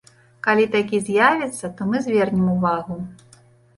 Калі такі з'явіцца, то мы звернем увагу.